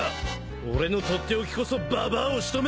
俺の取って置きこそババアを仕留める一撃だ！